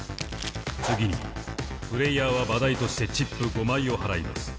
次にプレーヤーは場代としてチップ５枚を払います。